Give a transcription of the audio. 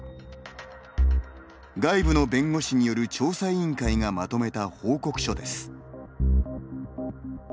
外部の弁護士による調査委員会がまとめた報告書です。